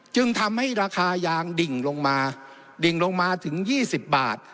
จึงทำให้ราคายางดิ่งลงมาดิ่งลงมาถึง๒๐บาท